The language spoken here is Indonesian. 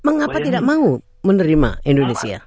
mengapa tidak mau menerima indonesia